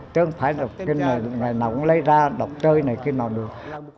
chứ không phải là kinh này nào cũng lấy ra đọc chơi này khi nào được